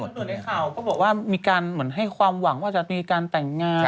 อยู่ในข่าวก็บอกว่ามีการเหมือนให้ความหวังว่าจะมีการแต่งงาน